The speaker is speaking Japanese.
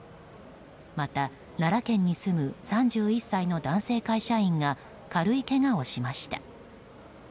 また、奈良県に住む３１歳の男性会社員が軽いけがをしました。